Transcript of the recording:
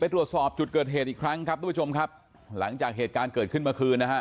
ตรวจสอบจุดเกิดเหตุอีกครั้งครับทุกผู้ชมครับหลังจากเหตุการณ์เกิดขึ้นเมื่อคืนนะฮะ